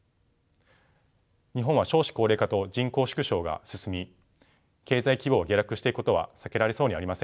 日本は少子高齢化と人口縮小が進み経済規模が下落していくことは避けられそうにありません。